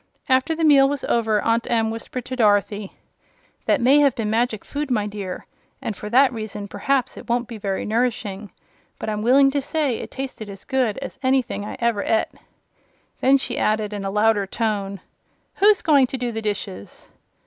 After the meal was over, Aunt Em whispered to Dorothy: "That may have been magic food, my dear, and for that reason perhaps it won't be very nourishing; but I'm willing to say it tasted as good as anything I ever et." Then she added, in a louder voice: "Who's going to do the dishes?"